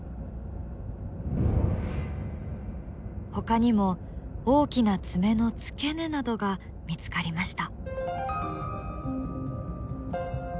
ほかにも大きな爪の付け根などが見つかりました。